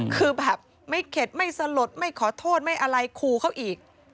คือแบบไม่เข็ดไม่สลดไม่ขอโทษไม่อะไรคู่เขาอีก